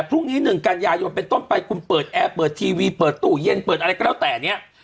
เปิดแอพเปิดทีวีเปิดตู้เยี่ยนเปิดอะไรก็แล้วแต่นี้